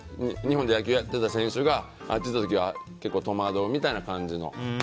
日本で野球やってた選手があっち行った時は結構戸惑うみたいな感じの。